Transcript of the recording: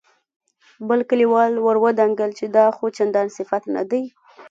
بل کليوال ور ودانګل چې دا خو چندان صفت نه دی.